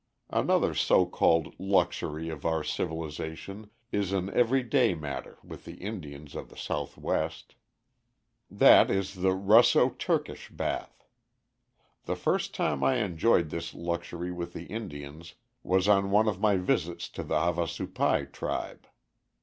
Another so called luxury of our civilization is an every day matter with the Indians of the Southwest. That is the Russo Turkish bath. The first time I enjoyed this luxury with the Indians was on one of my visits to the Havasupai tribe.